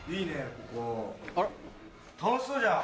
ここ楽しそうじゃん。